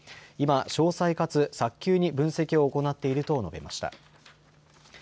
今、詳細かつ早急に分析を行っていると述べました。